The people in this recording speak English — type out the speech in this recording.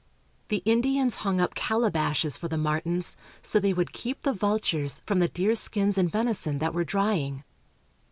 The Indians hung up calabashes for the martins, so they would keep the vultures from the deerskins and venison that were drying.